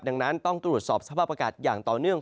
ดังนั้นต้องตรวจสอบสภาพอากาศอย่างต่อเนื่อง